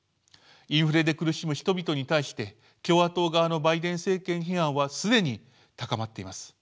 インフレで苦しむ人々に対して共和党側のバイデン政権批判は既に高まっています。